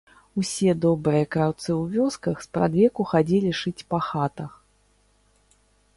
Усе добрыя краўцы ў вёсках спрадвеку хадзілі шыць па хатах.